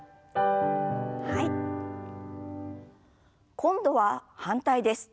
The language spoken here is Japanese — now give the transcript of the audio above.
今度は反対です。